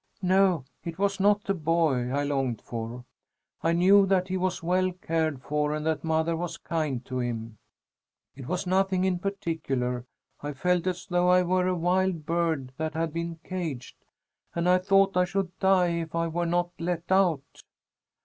"No, it was not the boy I longed for. I knew that he was well cared for and that mother was kind to him. It was nothing in particular. I felt as though I were a wild bird that had been caged, and I thought I should die if I were not let out."